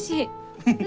フフフフ。